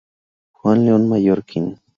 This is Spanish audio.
Juan León Mallorquín.